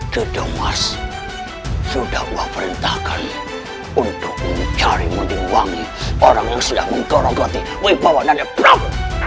kedomas sudah wak perintahkan untuk mencari dan menimbangi orang yang sedang menggorogoti wibawa nanda prabowo